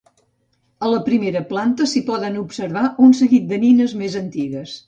A la primera planta s'hi poden observar un seguit de nines més antigues.